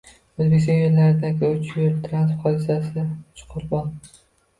O‘zbekiston yo‘llaridagiuchyo´l transport hodisasidauchqurbon